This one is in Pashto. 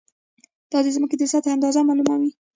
دا د ځمکې د سطحې اندازه معلوموي.